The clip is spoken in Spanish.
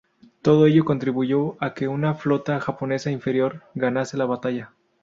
Todo ello contribuyó a que una flota japonesa inferior ganase la batalla.